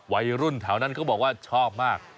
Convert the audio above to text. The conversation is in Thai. วัยรุ่นแถวนั้นเขาบอกว่าชอบมาก